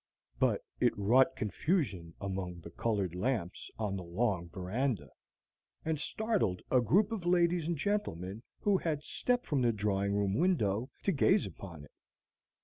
But it wrought confusion among the colored lamps on the long veranda, and startled a group of ladies and gentlemen who had stepped from the drawing room window to gaze upon it.